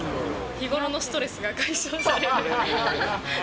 日頃のストレスが解消される。